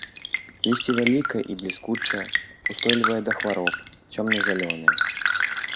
Лісце вялікае і бліскучае, устойлівае да хвароб, цёмна-зялёнае.